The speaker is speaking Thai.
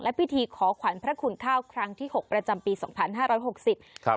พิธีขอขวัญพระคุณข้าวครั้งที่หกประจำปีสองพันห้าร้อยหกสิบครับ